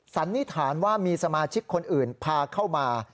สันนิษฐานว่ามีสมาชิกคนอื่นพาเข้ามา